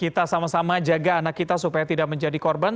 kita sama sama jaga anak kita supaya tidak menjadi korban